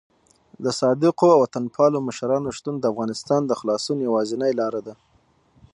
د صادقو او وطن پالو مشرانو شتون د افغانستان د خلاصون یوازینۍ لاره ده.